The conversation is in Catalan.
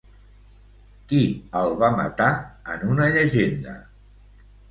Qui el va matar, en una llegenda?